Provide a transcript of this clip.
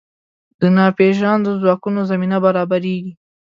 د ناپېژاندو ځواکونو زمینه برابرېږي.